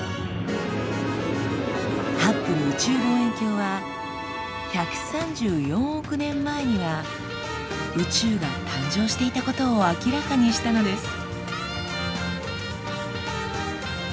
ハッブル宇宙望遠鏡は１３４億年前には宇宙が誕生していたことを明らかにしたのです。